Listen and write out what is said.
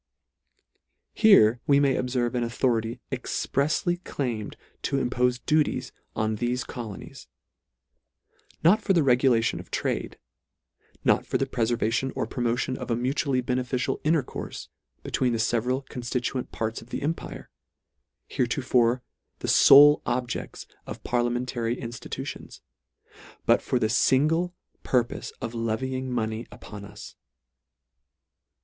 Here we may obferve an authority expresjly claimed to impofe duties on thefe colonies ; LETTER II. 19 not for the regulation of trade ; not for the prefervation or promotion of a mutually beneiicial intercourfe between the feveral confKtuent parts of the empire, heretofore the J ole objeBs of parliamentary institutions ; but for the Jingle purpofe of levying money upon us.